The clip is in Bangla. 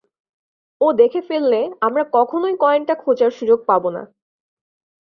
ও দেখে ফেললে, আমরা কখনোই কয়েনটা খোঁজার সুযোগ পাব না।